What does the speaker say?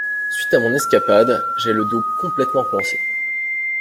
Suite à mon escapade, j’ai le dos complètement coincé.